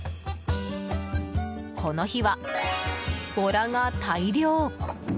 この日はボラが大漁。